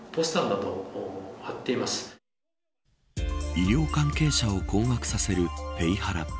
医療関係者を困惑させるペイハラ。